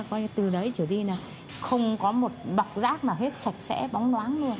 thế là từ đấy chủ đi là không có một bọc rác mà hết sạch sẽ bóng loáng luôn